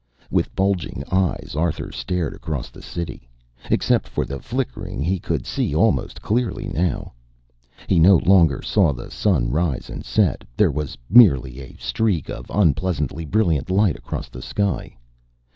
With bulging eyes Arthur stared across the city. Except for the flickering, he could see almost clearly now. He no longer saw the sun rise and set. There was merely a streak of unpleasantly brilliant light across the sky.